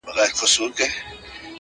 لمبو وهلی سوځولی چنار،